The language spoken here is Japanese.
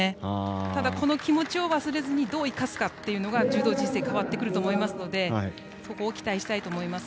ただ、この気持ちを忘れずにどう生かすかが柔道人生変わってくると思いますのでそこを期待したいと思います。